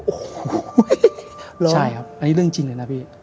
โอ้โหใช่ครับอันนี้เรื่องจริงเลยนะพี่